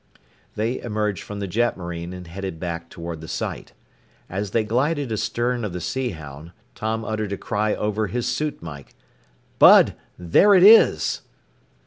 They emerged from the jetmarine and headed back toward the site. As they glided astern of the Sea Hound, Tom uttered a cry over his suit mike. "_Bud! There it is!